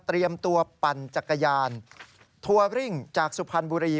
ตัวปั่นจักรยานทัวริ่งจากสุพรรณบุรี